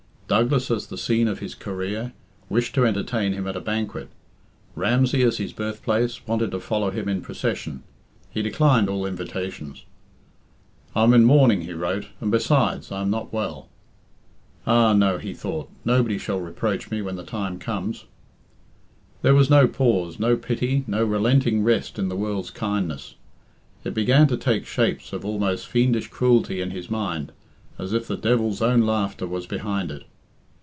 Douglas, as the scene of his career, wished to entertain him at a banquet; Ramsey, as his birthplace, wanted to follow him in procession. He declined all invitations. "I am in mourning," he wrote. "And besides, I am not well." "Ah! no," he thought, "nobody shall reproach me when the times comes." There was no pause, no pity, no relenting rest in the world's kindness. It began to take shapes of almost fiendish cruelty in his mind, as if the devil's own laughter was behind it.